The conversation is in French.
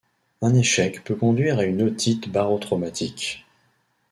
Un échec peut conduire à une otite barotraumatique.